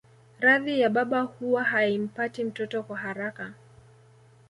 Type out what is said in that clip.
Radhi ya baba huwa haimpati mtoto kwa haraka